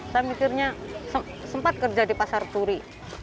saya mikirnya sempat kerja di pasar turi